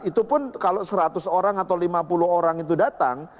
itu pun kalau seratus orang atau lima puluh orang itu datang